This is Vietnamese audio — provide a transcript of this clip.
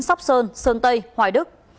sóc sơn sơn tây hoài đức